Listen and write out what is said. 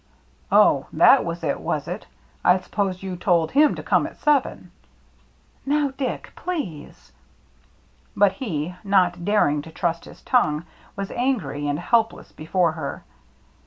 "Oh, that was it, was it? I suppose you told him to come at seven." " Now, Dick, — please —" But he, not daring to trust his tongue, was angry and helpless before her.